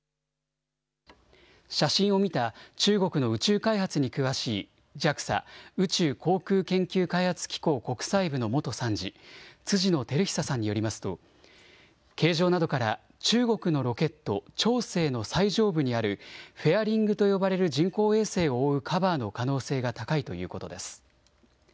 写真を見た中国の宇宙開発に詳しいＪＡＸＡ、宇宙航空研究開発機構国際部の元参事辻野照久さんによりますと形状などから中国のロケット長征の最上部にあるフェアリングと呼ばれる人工衛星を覆うカバーの可能性が高いということです。